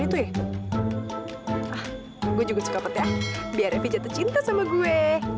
itu ya gue juga suka peta biar revi jatuh cinta sama gue